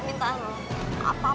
berhasil munjunga pun